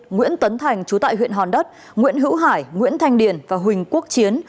nguyễn tấn thành chú tại huyện hòn đất nguyễn hữu hải nguyễn thanh điền và huỳnh quốc chiến